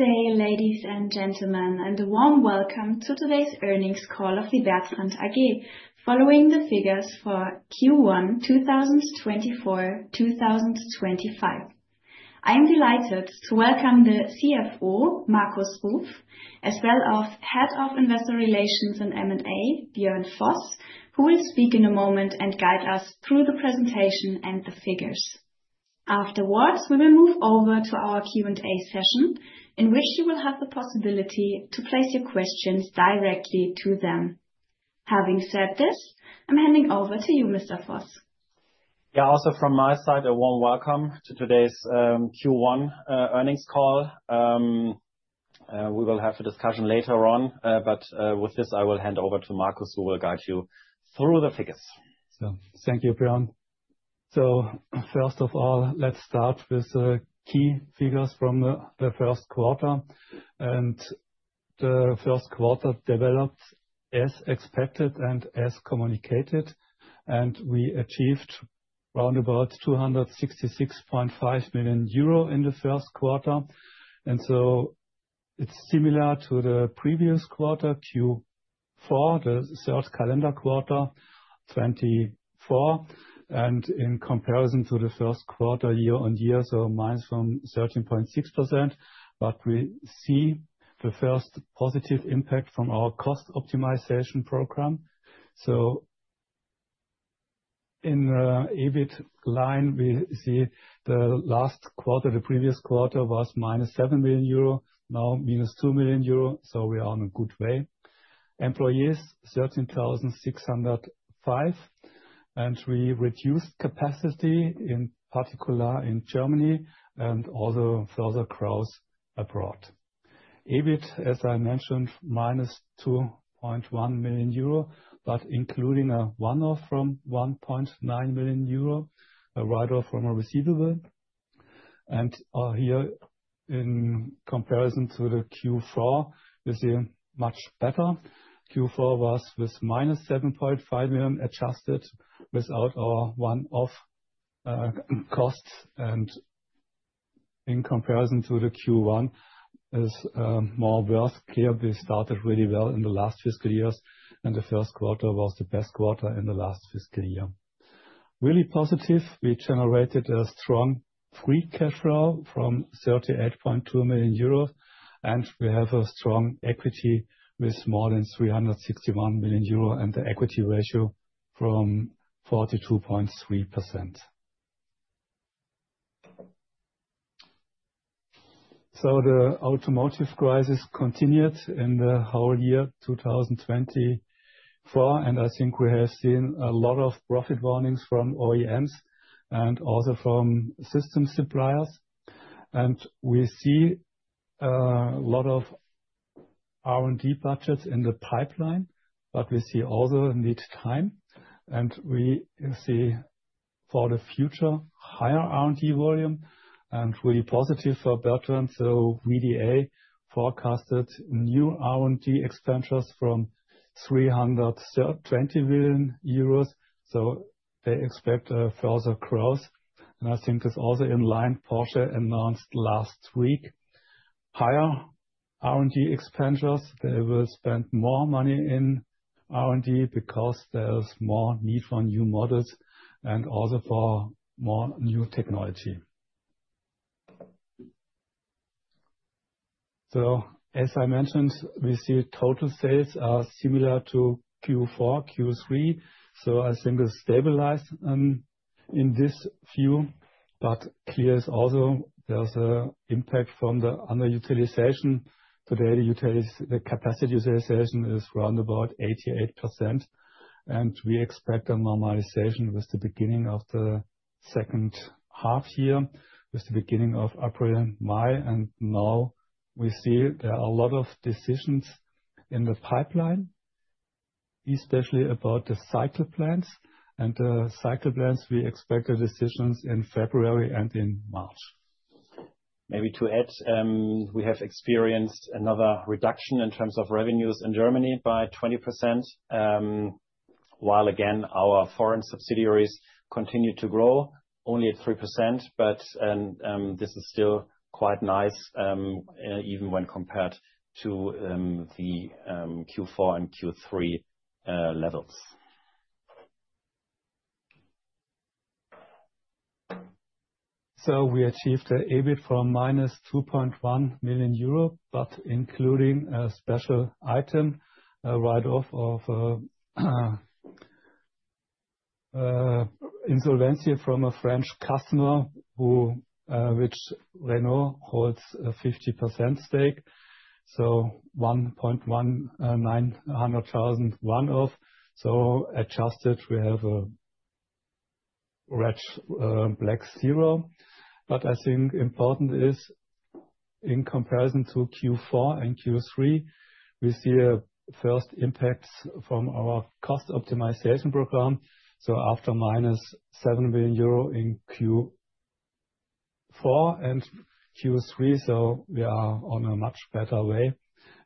Good day, ladies and gentlemen, and a warm welcome to today's earnings call of Bertrandt, following the figures for Q1 2024-2025. I am delighted to welcome the CFO, Markus Ruf, as well as Head of Investor Relations and M&A, Björn Voss, who will speak in a moment and guide us through the presentation and the figures. Afterwards, we will move over to our Q&A session, in which you will have the possibility to place your questions directly to them. Having said this, I'm handing over to you, Mr. Voss. Yeah, also from my side, a warm welcome to today's Q1 earnings call. We will have a discussion later on, but with this, I will hand over to Markus, who will guide you through the figures. Thank you, Björn. First of all, let's start with the key figures from the first quarter. The first quarter developed as expected and as communicated, and we achieved around 266.5 million euro in the first quarter. It's similar to the previous quarter, Q4, the third calendar quarter 2024. In comparison to the first quarter year on year, minus 13.6%, but we see the first positive impact from our cost optimization program. In the EBIT line, the last quarter, the previous quarter was minus 7 million euro, now minus 2 million euro, so we are in a good way. Employees, 13,605, and we reduced capacity, in particular in Germany and also further growth abroad. EBIT, as I mentioned, minus 2.1 million euro, but including a one-off from 1.9 million euro, a write-off from a receivable. Here, in comparison to the Q4, we see much better. Q4 was with minus 7.5 million adjusted without our one-off costs, and in comparison to the Q1, it's more worth here. We started really well in the last fiscal years, and the first quarter was the best quarter in the last fiscal year. Really positive, we generated a strong free cash flow from 38.2 million euros, and we have a strong equity with more than 361 million euros and the equity ratio from 42.3%. The automotive crisis continued in the whole year 2024, and we have seen a lot of profit warnings from OEMs and also from system suppliers. We see a lot of R&D budgets in the pipeline, but we see also need time, and we see for the future higher R&D volume, and really positive for Bertrandt. VDA forecasted new R&D expenditures from 320 million euros, so they expect a further growth, and this is also in line with what Porsche announced last week. Higher R&D expenditures, they will spend more money in R&D because there is more need for new models and also for more new technology. As I mentioned, we see total sales are similar to Q4, Q3, so it is stabilized in this view, but clear is also there is an impact from the underutilization. Today, the capacity utilization is around about 88%, and we expect a normalization with the beginning of the second half here, with the beginning of April, May, and now we see there are a lot of decisions in the pipeline, especially about the cycle plans, and the cycle plans we expect the decisions in February and in March. Maybe to add, we have experienced another reduction in terms of revenues in Germany by 20%, while again, our foreign subsidiaries continue to grow only at 3%, but this is still quite nice, even when compared to the Q4 and Q3 levels. We achieved the EBIT from minus 2.1 million euro, but including a special item, a write-off of insolvency from a French customer which Renault holds a 50% stake, so 1.19 million one-off, so adjusted we have a red-black zero. Important is in comparison to Q4 and Q3, we see a first impact from our cost optimization program, so after minus 7 million euro in Q4 and Q3, we are on a much better way,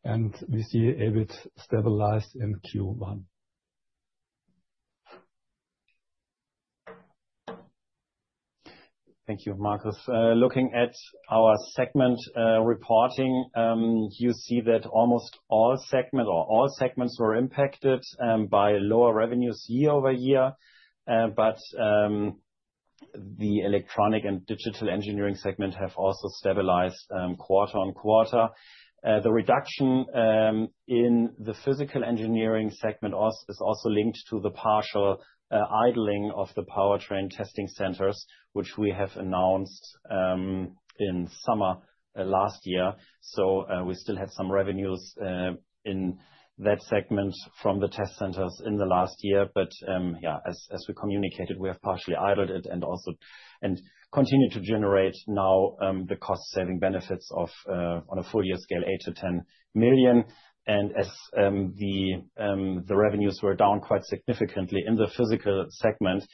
and we see EBIT stabilized in Q1. Thank you, Markus. Looking at our segment reporting, you see that almost all segments or all segments were impacted by lower revenues year over year, but the Electronic and Digital Engineering segment have also stabilized quarter on quarter. The reduction in the Physical Engineering segment is also linked to the partial idling of the powertrain testing centers, which we have announced in summer last year. We still had some revenues in that segment from the test centers in the last year, but yeah, as we communicated, we have partially idled it and also continued to generate now the cost-saving benefits of on a full year scale, 8 million-10 million. As the revenues were down quite significantly in the physical segment,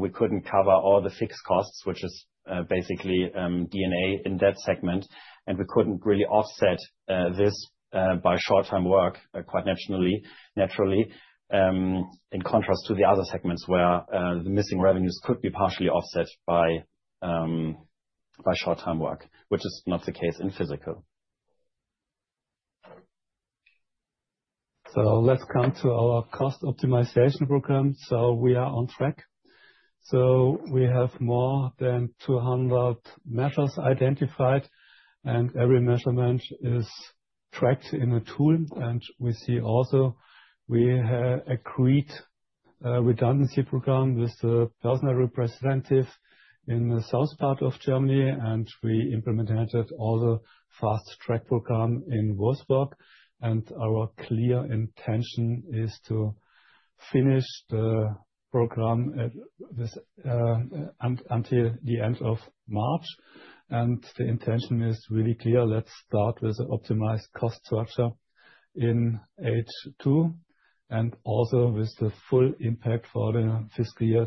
we couldn't cover all the fixed costs, which is basically DNA in that segment, and we couldn't really offset this by short-term work quite naturally, in contrast to the other segments where the missing revenues could be partially offset by short-term work, which is not the case in physical. Let's come to our cost optimization program. We are on track. We have more than 200 measures identified, and every measurement is tracked in a tool, and we see also we have agreed redundancy program with the personnel representative in the south part of Germany, and we implemented all the fast track program in Wolfsburg. Our clear intention is to finish the program until the end of March. The intention is really clear. Let's start with the optimized cost structure in H2 and also with the full impact for the fiscal year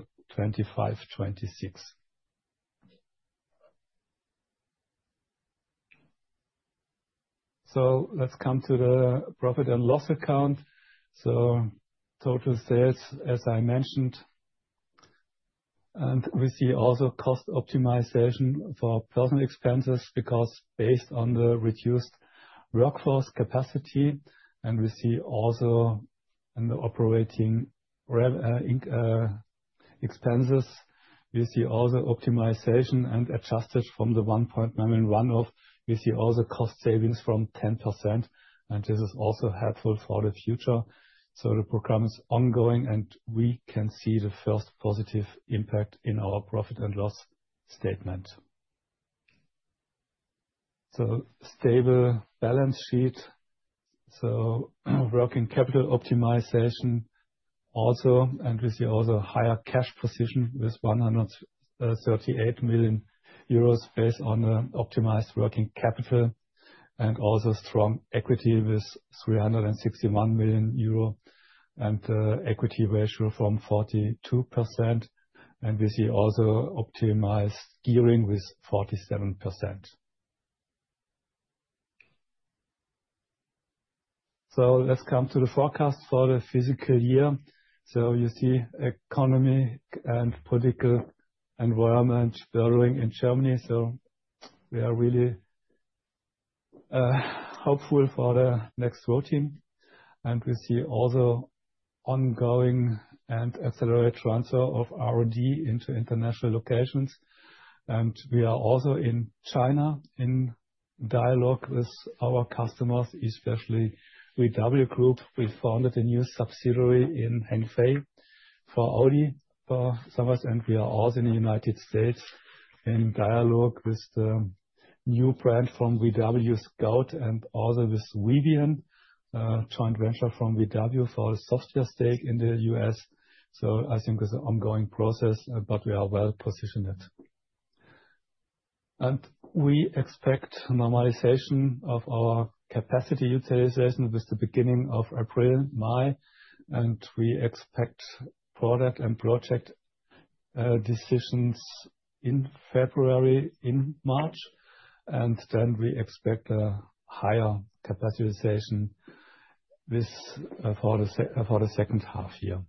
2025-2026. Let's come to the profit and loss account. Total sales, as I mentioned, and we see also cost optimization for personnel expenses because based on the reduced workforce capacity, and we see also in the operating expenses, we see also optimization and adjusted from the 1.91 million one-off, we see also cost savings from 10%, and this is also helpful for the future. The program is ongoing, and we can see the first positive impact in our profit and loss statement. Stable balance sheet. Working capital optimization also, and we see also higher cash position with 138 million euros based on the optimized working capital, and also strong equity with 361 million euro and the equity ratio from 42%, and we see also optimized gearing with 47%. Let's come to the forecast for the fiscal year. You see economy and political environment bubbling in Germany. We are really hopeful for the next voting, and we see also ongoing and accelerated transfer of R&D into international locations, and we are also in China in dialogue with our customers, especially Volkswagen Group. We founded a new subsidiary in Hefei for Audi for summers, and we are also in the United States in dialogue with the new brand from Volkswagen, Scout, and also with Rivian, a joint venture from Volkswagen for the software stake in the United States. It's an ongoing process, but we are well positioned. We expect normalization of our capacity utilization with the beginning of April, May, and we expect product and project decisions in February, in March, and then we expect a higher capacity utilization for the second half year.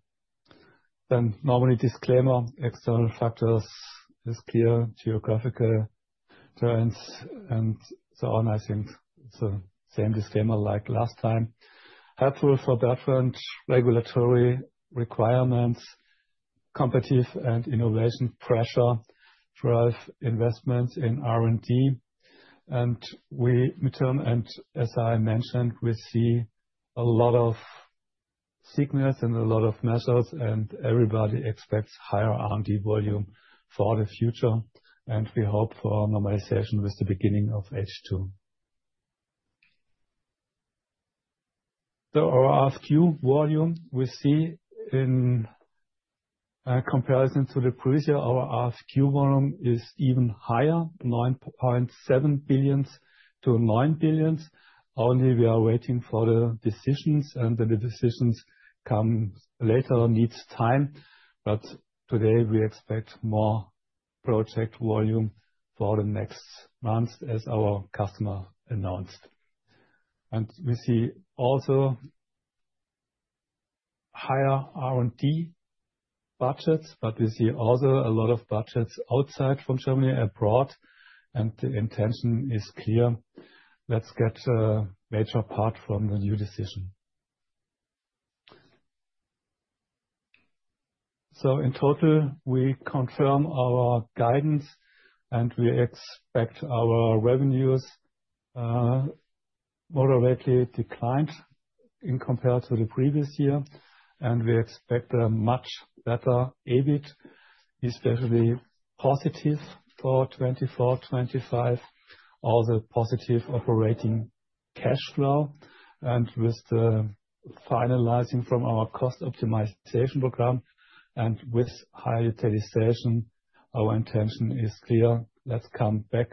Normally disclaimer, external factors is clear, geographical trends, and so on. It's the same disclaimer like last time. Helpful for Bertrandt regulatory requirements, competitive and innovation pressure drive investments in R&D, and we, as I mentioned, we see a lot of signals and a lot of measures, and everybody expects higher R&D volume for the future, and we hope for normalization with the beginning of H2. Our RFQ volume we see in comparison to the previous year, our RFQ volume is even higher, 9.7 billion to 9 billion. Only we are waiting for the decisions, and the decisions come later or need time, but today we expect more project volume for the next months, as our customer announced. We see also higher R&D budgets, but we see also a lot of budgets outside from Germany abroad, and the intention is clear. Let's get a major part from the new decision. In total, we confirm our guidance, and we expect our revenues moderately declined in comparison to the previous year, and we expect a much better EBIT, especially positive for 2024-2025, also positive operating cash flow, and with the finalizing from our cost optimization program and with higher utilization, our intention is clear. Let's come back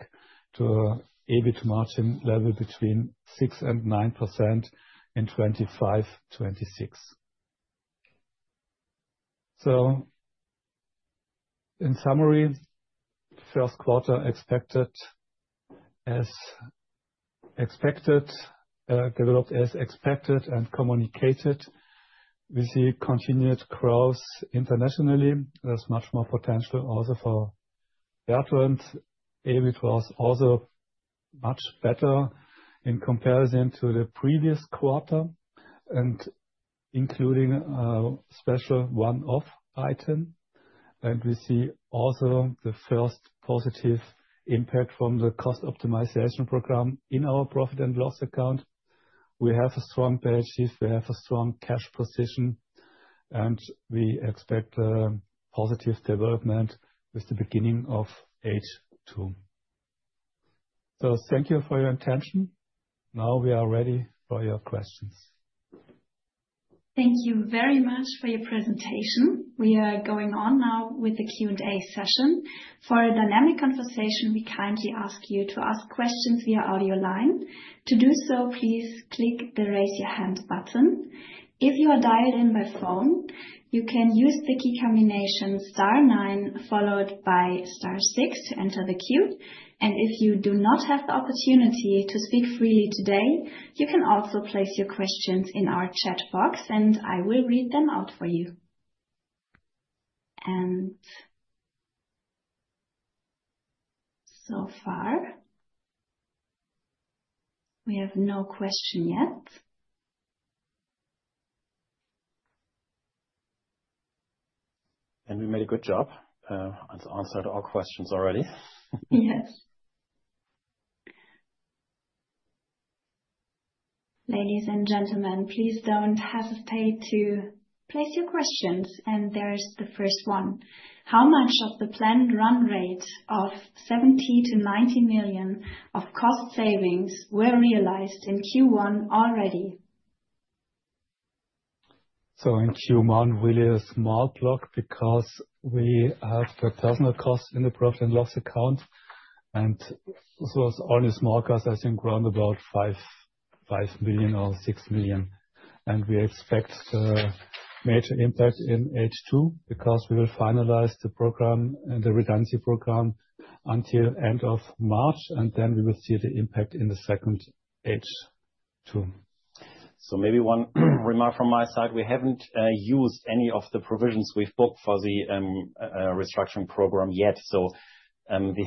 to EBIT margin level between 6-9% in 2025-2026. In summary, first quarter expected as expected, developed as expected, and communicated. We see continued growth internationally. There's much more potential also for Bertrandt. EBIT was also much better in comparison to the previous quarter, including a special one-off item, and we see also the first positive impact from the cost optimization program in our profit and loss account. We have a strong balance sheet. We have a strong cash position, and we expect a positive development with the beginning of H2. Thank you for your attention. Now we are ready for your questions. Thank you very much for your presentation. We are going on now with the Q&A session. For a dynamic conversation, we kindly ask you to ask questions via audio line. To do so, please click the raise your hand button. If you are dialed in by phone, you can use the key combination star 9 followed by star 6 to enter the queue, and if you do not have the opportunity to speak freely today, you can also place your questions in our chat box, and I will read them out for you. So far, we have no question yet. We made a good job and answered all questions already. Yes. Ladies and gentlemen, please don't hesitate to place your questions, and there's the first one. How much of the planned run rate of 70 million-90 million of cost savings were realized in Q1 already? In Q1, we leave a small block because we have the personal cost in the profit and loss account, and those only small costs, I think, around about 5 million or 6 million, and we expect a major impact in H2 because we will finalize the program and the redundancy program until end of March, and then we will see the impact in the second H2. Maybe one remark from my side. We haven't used any of the provisions we've booked for the restructuring program yet. The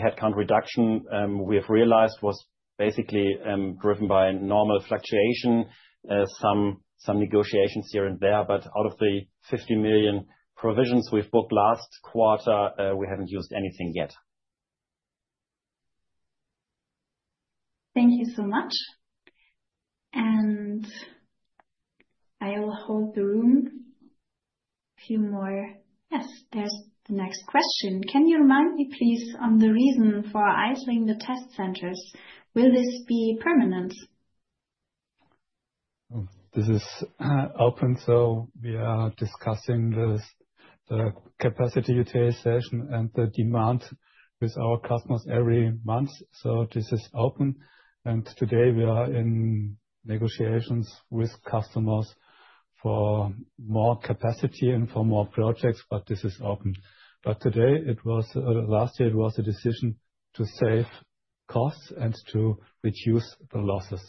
headcount reduction we've realized was basically driven by normal fluctuation, some negotiations here and there, but out of the 50 million provisions we've booked last quarter, we haven't used anything yet. Thank you so much, and I will hold the room a few more. Yes, there's the next question. Can you remind me, please, on the reason for isolating the test centers? Will this be permanent? This is open, so we are discussing the capacity utilization and the demand with our customers every month, so this is open, and today we are in negotiations with customers for more capacity and for more projects, but this is open. Today, last year, it was a decision to save costs and to reduce the losses.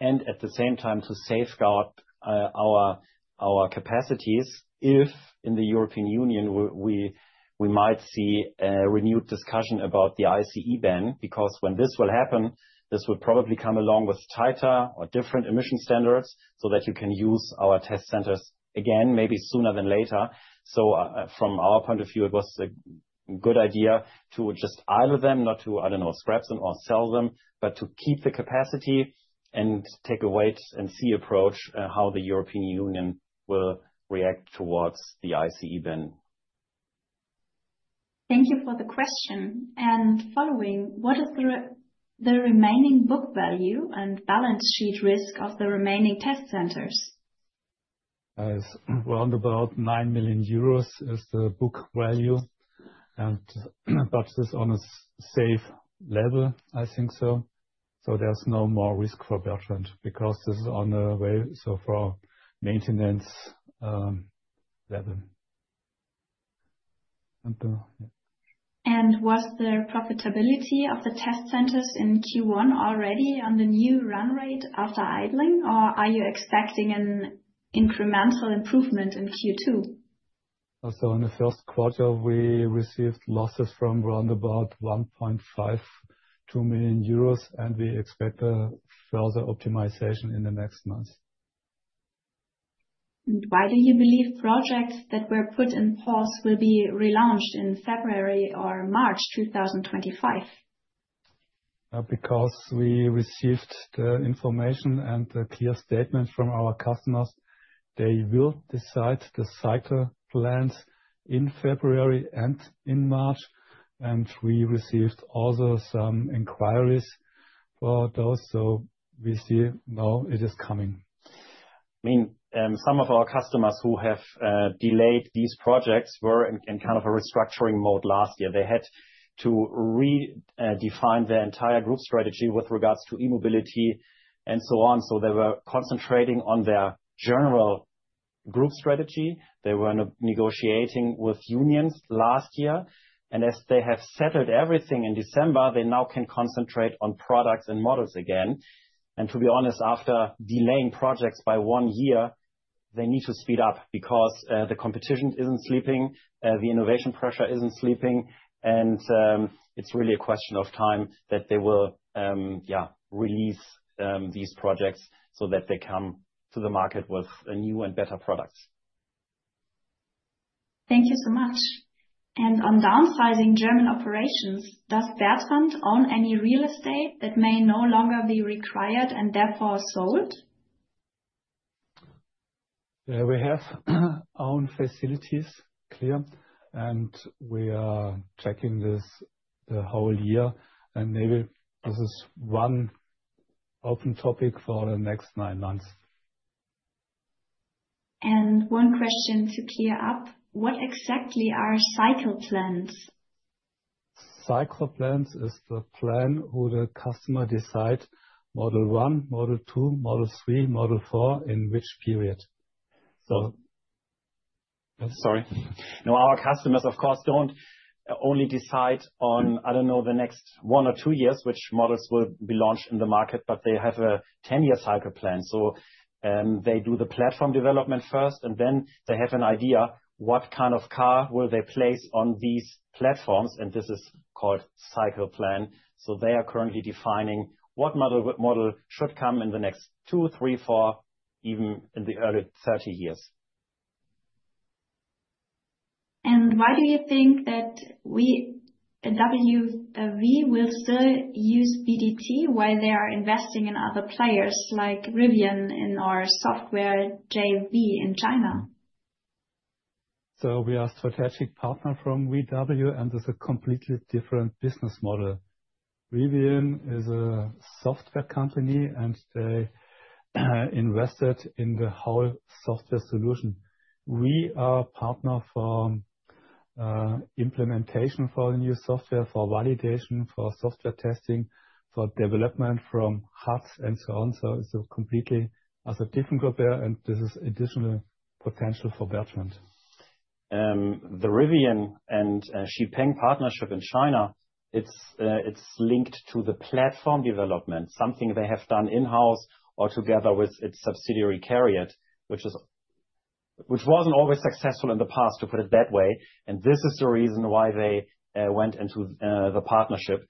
At the same time, to safeguard our capacities if in the European Union we might see a renewed discussion about the ICE ban because when this will happen, this will probably come along with tighter or different emission standards so that you can use our test centers again, maybe sooner than later. From our point of view, it was a good idea to just idle them, not to, I don't know, scrap them or sell them, but to keep the capacity and take a wait-and-see approach how the European Union will react towards the ICE ban. Thank you for the question. Following, what is the remaining book value and balance sheet risk of the remaining test centers? It's around about 9 million euros is the book value, and but this is on a safe level. There's no more risk for Bertrandt because this is on the way so far maintenance level. Was the profitability of the test centers in Q1 already on the new run rate after idling, or are you expecting an incremental improvement in Q2? In the first quarter, we received losses from around 1.52 million euros, and we expect further optimization in the next months. Why do you believe projects that were put in pause will be relaunched in February or March 2025? Because we received the information and the clear statement from our customers. They will decide the cycle plans in February and in March, and we received also some inquiries for those, so we see now it is coming. Some of our customers who have delayed these projects were in kind of a restructuring mode last year. They had to redefine their entire group strategy with regards to e-mobility and so on. They were concentrating on their general group strategy. They were negotiating with unions last year, and as they have settled everything in December, they now can concentrate on products and models again. To be honest, after delaying projects by one year, they need to speed up because the competition isn't sleeping, the innovation pressure isn't sleeping, and it's really a question of time that they will release these projects so that they come to the market with new and better products. Thank you so much. On downsizing German operations, does Bertrandt own any real estate that may no longer be required and therefore sold? We have own facilities, clear, and we are checking this the whole year, and maybe this is one open topic for the next nine months. One question to clear up. What exactly are cycle plans? Cycle plans is the plan who the customer decides model one, model two, model three, model four in which period. Sorry. No, our customers, of course, do not only decide on, I do not know, the next one or two years which models will be launched in the market, but they have a 10-year cycle plan. They do the platform development first, and then they have an idea what kind of car will they place on these platforms, and this is called cycle plan. They are currently defining what model should come in the next two, three, four, even in the early 2030 years. Why do you think that we at VW will still use Bertrandt while they are investing in other players like Rivian in our software JV in China? We are a strategic partner from Volkswagen Group, and it's a completely different business model. Rivian is a software company, and they invested in the whole software solution. We are a partner for implementation for the new software, for validation, for software testing, for development from HUDs and so on. It is a completely different group there, and this is additional potential for Bertrandt. The Rivian and XPeng partnership in China, it's linked to the platform development, something they have done in-house or together with its subsidiary CARIAD, which wasn't always successful in the past, to put it that way, and this is the reason why they went into the partnership.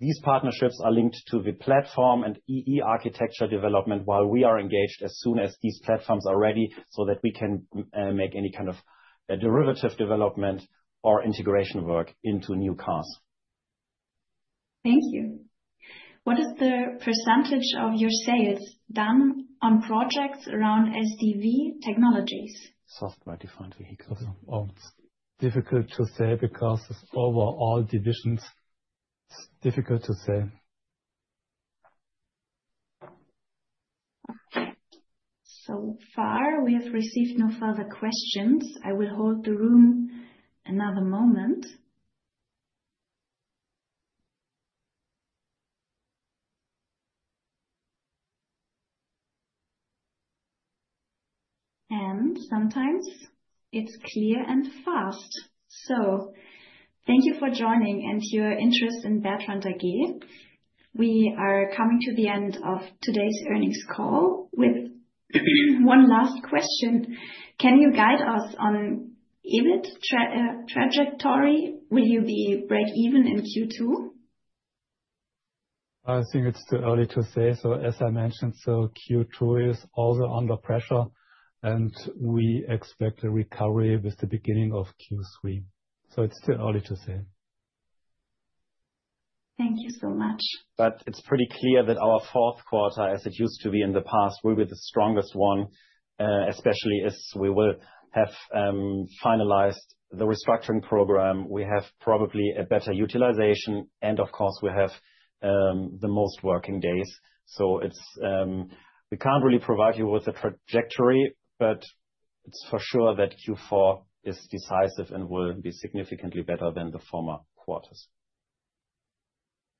These partnerships are linked to the platform and EE architecture development while we are engaged as soon as these platforms are ready so that we can make any kind of derivative development or integration work into new cars. Thank you. What is the percentage of your sales done on projects around SDV technologies? Software-defined vehicles. It's difficult to say because it's over all divisions. It's difficult to say. Okay. So far, we have received no further questions. I will hold the room another moment. Sometimes it is clear and fast. Thank you for joining and your interest in Bertrandt again. We are coming to the end of today's earnings call with one last question. Can you guide us on EBIT trajectory? Will you be break-even in Q2? It's too early to say. As I mentioned, Q2 is also under pressure, and we expect a recovery with the beginning of Q3. It's too early to say. Thank you so much. It is pretty clear that our fourth quarter, as it used to be in the past, will be the strongest one, especially as we will have finalized the restructuring program. We have probably a better utilization, and of course, we have the most working days. We cannot really provide you with a trajectory, but it is for sure that Q4 is decisive and will be significantly better than the former quarters.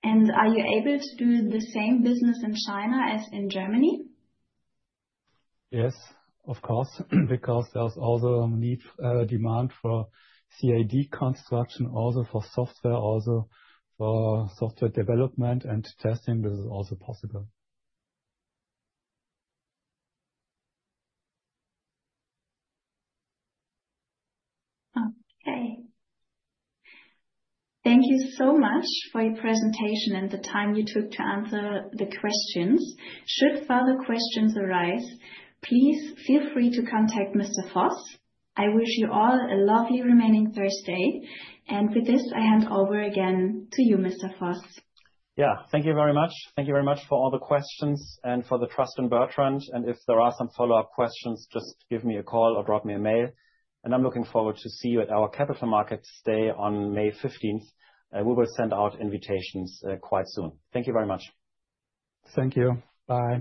Are you able to do the same business in China as in Germany? Yes, of course, because there's also demand for CAD construction, also for software, also for software development and testing. This is also possible. Okay. Thank you so much for your presentation and the time you took to answer the questions. Should further questions arise, please feel free to contact Mr. Voss. I wish you all a lovely remaining Thursday, and with this, I hand over again to you, Mr. Voss. Yeah. Thank you very much for all the questions and for the trust in Bertrandt, and if there are some follow-up questions, just give me a call or drop me a mail, and I'm looking forward to see you at our capital markets day on May 15th. We will send out invitations quite soon. Thank you very much. Thank you. Bye.